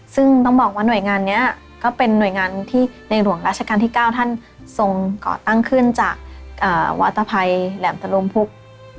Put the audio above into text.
ซึ่งต้องบอกว่าหน่วยงานนี้ก็เป็นหน่วยงานที่ในหลวงราชการที่๙ท่านทรงก่อตั้งขึ้นจากวัตภัยแหลมตะลุมพุก